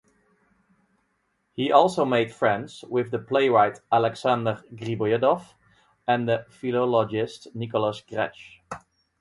He also made friends with the playwright Alexander Griboyedov and the philologist Nicholas Gretsch.